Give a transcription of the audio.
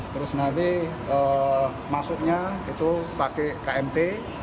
terus nanti masuknya itu pakai kmp